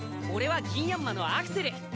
おれはギンヤンマのアクセル。